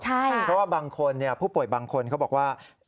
เพราะว่าบางคนผู้ป่วยบางคนเขาบอกว่า